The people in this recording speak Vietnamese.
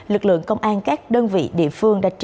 lực lượng công an các đơn vị địa phương